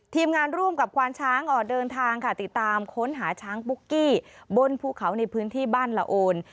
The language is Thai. ทีมงานร่วมกับควานช้างออกเดินทางค่ะติดตามค้นหาช้างปุ๊กกี้บนภูเขาในพื้นที่บ้านละโอน